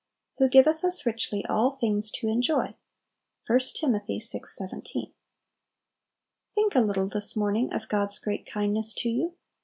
"Who giveth us richly all things to enjoy." I Tim. vi. 17. Think a little this morning of God's great kindness to you.